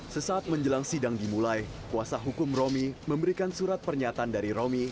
sesaat menjelang sidang dimulai kuasa hukum romi memberikan surat pernyataan dari romi